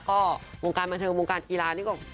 ก็วงการบันเทิงวงการกีฬานี่ก็